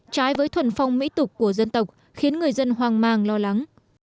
trái với thuần phong mỹ tục của dân tộc khiến người dân hoang mang lo lắng